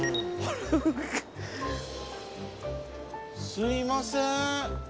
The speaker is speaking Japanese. すいません。